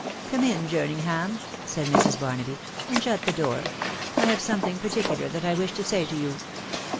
<f Come in, Jerninghara," said Mrs. Barnaby, " and abut the door. I have something particular that I wish to aay to you.